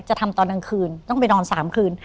จะทำตอนกลางคืนต้องไปนอน๓คืน